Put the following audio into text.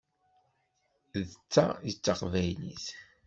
D ta i d taqbaylit!